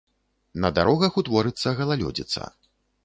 На дарогах утворыцца галалёдзіца.